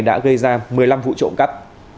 đã gây ra một mươi năm vụ trộm cắt